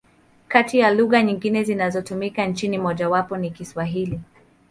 Kati ya lugha nyingine zinazotumika nchini, mojawapo ni Kiswahili.